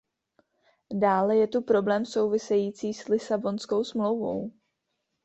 Dále je tu problém související s Lisabonskou smlouvou.